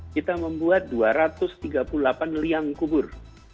kita membuat dua ratus tiga puluh delapan liang kubur